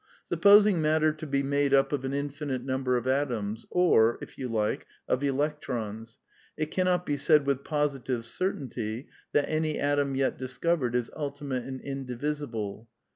Suppos ing matter to be made up of an infinite number of atoms (or, if you like, of electrons), it cannot be said with posi tive certainty that any atom yet discovered is idtimate and indivisible.